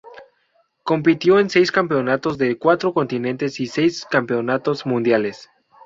Compitió en seis campeonatos de cuatro continentes y seis campeonatos mundiales.